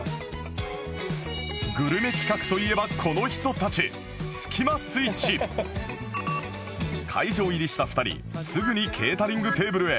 グルメ企画といえばこの人たち会場入りした２人すぐにケータリングテーブルへ